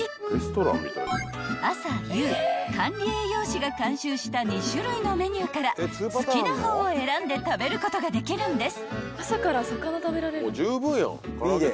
［朝・夕管理栄養士が監修した２種類のメニューから好きな方を選んで食べることができるんです］